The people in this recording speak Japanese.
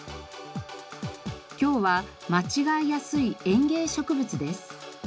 今日は間違えやすい園芸植物です。